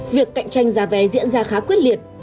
việc cạnh tranh giá vé diễn ra khá quyết liệt